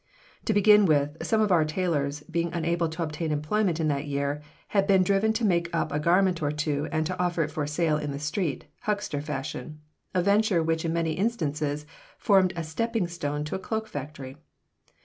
To begin with, some of our tailors, being unable to obtain employment in that year, had been driven to make up a garment or two and to offer it for sale in the street, huckster fashion a venture which in many instances formed a stepping stone to a cloak factory.